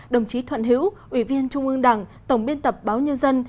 đồng chí thuận hữu ủy viên trung ương đảng tổng biên tập báo nhân dân